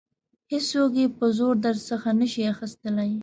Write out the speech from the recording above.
هیڅوک یې په زور درڅخه نشي اخیستلای.